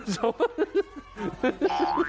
โฉกกะโปรก